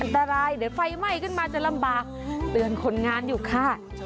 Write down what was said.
อันตรายเดี๋ยวไฟไหม้ขึ้นมาจะลำบากเตือนคนงานอยู่ค่ะ